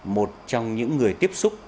một trong những người tiếp xúc